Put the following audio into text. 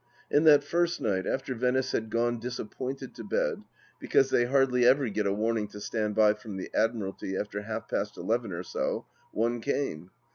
And that first night, after Venice had gone disappointed to bed, because they hardly ever get a warning to stand by from the Admiralty after half past eleven or so, one came.